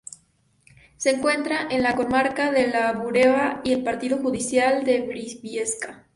Se encuentra en la comarca de La Bureba y el partido judicial de Briviesca.